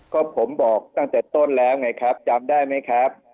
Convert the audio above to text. ก็ผมบอกตั้งแต่ต้นแล้วไงครับจำได้ไหมครับ